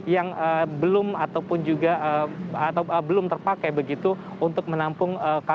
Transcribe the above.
yang belum ataupun juga atau belum terpakai begitu untuk menampung jumlah populasi yang kl got